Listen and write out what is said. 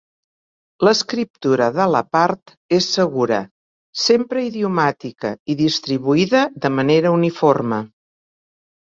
L'escriptura de la part és segura, sempre idiomàtica i distribuïda de manera uniforme.